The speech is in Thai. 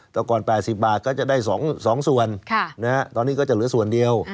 แต่ก่อน๘๐บาทก็จะได้๒ส่วนตอนนี้ก็จะเหลือส่วนเดียว